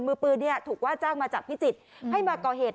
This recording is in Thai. มือปืนเนี้ยถูกมาจากพิจิติให้มาก่อเหตุ